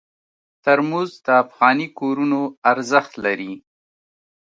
ترموز د افغاني کورونو ارزښت لري.